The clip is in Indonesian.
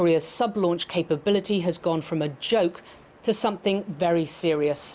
kemampuan peluncuran tni telah berjalan dari sebuah jok ke sesuatu yang sangat serius